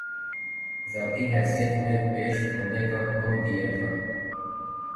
ذاتی حیثیت میں پیش ہونے کا حکم دیا تھا